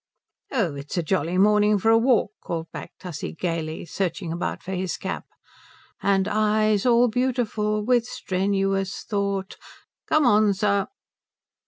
"Oh, it's a jolly morning for a walk," called back Tussie gaily, searching about for his cap "And eyes all beautiful with strenuous thought Come on, sir."